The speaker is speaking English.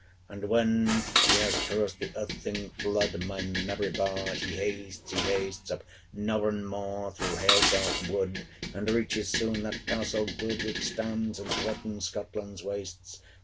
'And when he has crossed the Irthing flood, My merry bard! he hastes, he hastes Up Knorren Moor, through Halegarth Wood, 495 And reaches soon that castle good Which stands and threatens Scotland's wastes.